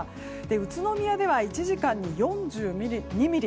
宇都宮では１時間に４２ミリ。